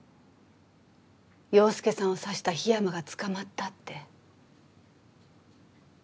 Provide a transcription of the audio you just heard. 陽佑さんを刺した桧山が捕まったって。